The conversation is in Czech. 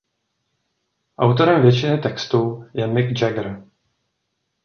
Autorem většiny textu je Mick Jagger.